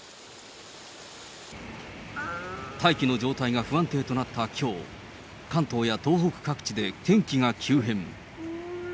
大気の状態が不安定となったきょう、関東や東北各地で天気が急変。